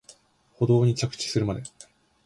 舗道に着地するまで